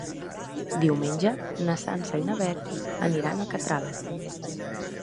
Diumenge na Sança i na Beth aniran a Catral.